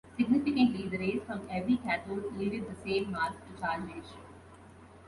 Significantly, the rays from every cathode yielded the same mass-to-charge ratio.